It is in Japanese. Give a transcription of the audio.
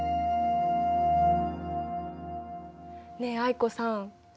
ねえ藍子さん